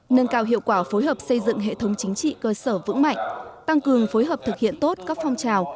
nâng cao hiệu quả phối hợp xây dựng hệ thống chính trị cơ sở vững mạnh tăng cường phối hợp thực hiện tốt các phong trào